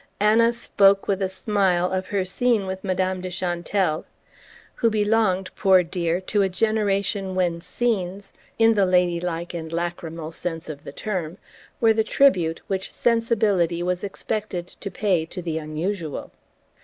Anna spoke with a smile of her "scene" with Madame de Chantelle, who belonged, poor dear, to a generation when "scenes" (in the ladylike and lachrymal sense of the term) were the tribute which sensibility was expected to pay to the unusual.